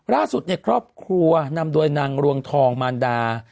ล่าสุดครอบครัวนำโดยนางรวงทองมารดา